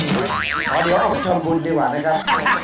อ๋อเดี๋ยวช่วงพูดดีกว่านะครับ